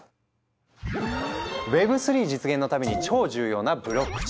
Ｗｅｂ３実現のために超重要なブロックチェーン。